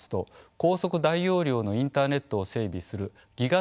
高速大容量のインターネットを整備するＧＩＧＡ